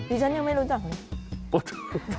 ดิฉันยังไม่รู้จัก